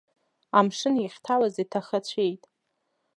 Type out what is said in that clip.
Амшын иахьҭалаз иҭахацәеит.